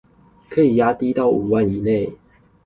可以壓低到五萬以內